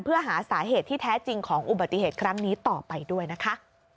เพื่อหาสาเหตุที่แท้จริงของอุบัติเหตุครั้งนี้ต่อไปด้วยนะคะ